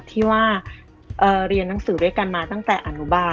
ที่ว่าเรียนหนังสือด้วยกันมาตั้งแต่อนุบาล